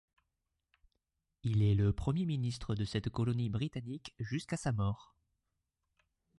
Il est le premier Premier ministre de cette colonie britannique du jusqu'à sa mort.